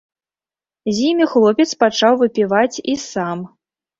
З імі хлопец пачаў выпіваць і сам.